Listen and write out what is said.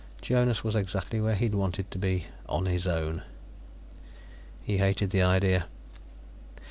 Jonas was exactly where he'd wanted to be: on his own. He hated the idea.